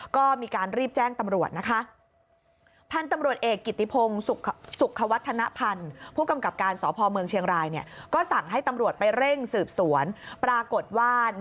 ก็มีการรีบแจ้งตำรวจนะคะ